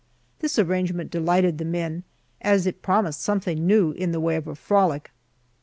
This arrangement delighted the men, as it promised something new in the way of a frolic.